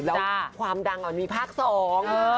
แล้วความดังอ่ะมีภาคสอง